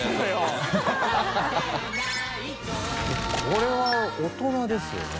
これは大人ですよね。